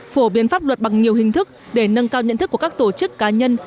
phổ biến pháp luật bằng nhiều hình thức để nâng cao nhận thức của các tổ chức cá nhân